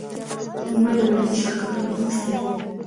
نیمه دولتي شرکتونه هم شتون لري.